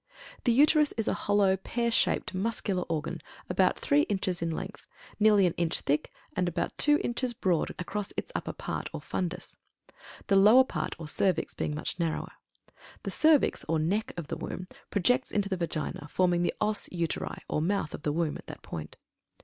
The Uterus is a hollow pear shaped muscular organ, about three inches in length, nearly an inch thick, and about two inches broad across its upper part, or FUNDUS; the lower part, or CERVIX, being much narrower. The CERVIX, or "neck" of the womb, projects into the Vagina, forming the "os uteri," or "mouth of the womb," at that point.